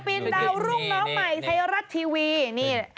ศิลปินดาวรุ่งเหล้าใหม่ไทยรัฐทีวี